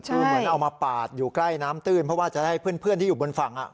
คือเหมือนเอามาปาดอยู่ใกล้น้ำตื้นเพราะว่าจะได้เพื่อนที่อยู่บนฝั่ง